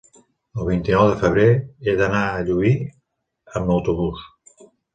El vint-i-nou de febrer he d'anar a Llubí amb autobús.